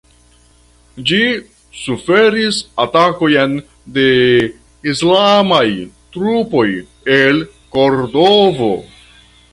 Ĝi suferis atakojn de islamaj trupoj el Kordovo.